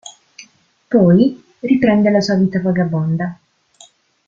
Poi riprende la sua vita vagabonda.